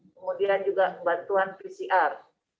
kemudian juga bantuan pcr